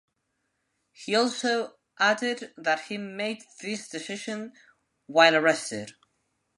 He also added that he made this decision while arrested.